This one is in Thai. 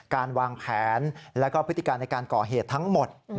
การวางแผนแล้วก็พฤติการในการก่อเหตุทั้งหมด